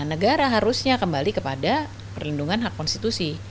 negara harusnya kembali kepada perlindungan hak konstitusi